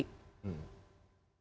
kalau tidak kekecewaan akan muncul